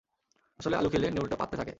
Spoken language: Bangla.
আসলে আলু খেলে নেউলটা পাদতে থাকে।